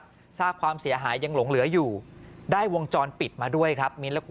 นะครับทราบความเสียหายยังหลงเหลืออยู่ได้วงจรปิดมาด้วยครับ